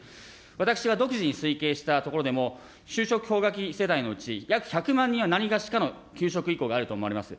私は独自に推計したところでも就職氷河期世代のうち、約１００万人は何がしかの求職意向があると思われます。